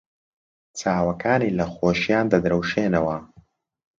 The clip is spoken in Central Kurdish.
چاوەکانی لە خۆشییان دەدرەوشێنەوە.